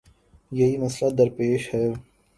یہی مسئلہ درپیش ہے۔